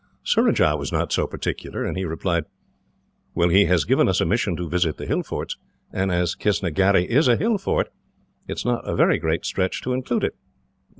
Surajah was not so particular, and he replied: "Well, he has given us a mission to visit the hill forts, and as Kistnagherry is a hill fort, it is not a very great stretch to include it."